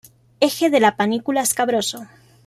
Eje de la panícula escabroso.